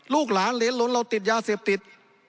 ลูกหลานเหรนหลนเราติดยาเสพติด